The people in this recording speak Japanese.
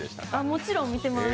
もちろん見てます。